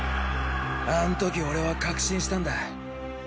あん時俺は確信したんだ。